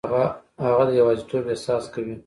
هغه د یوازیتوب احساس کوي.